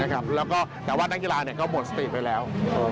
แต่ว่านักกีฬาก็หมดสติไปแล้ว